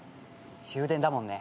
終電だもんね。